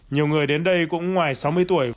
nhiều người đến đây cũng ngoài sáu mươi tuổi